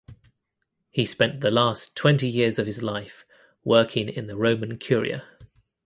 He spent the last twenty years of his life working in the Roman Curia.